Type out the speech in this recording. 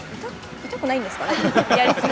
痛くないんですかね。